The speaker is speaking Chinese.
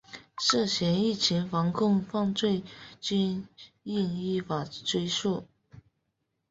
涉嫌疫情防控犯罪均应依法追诉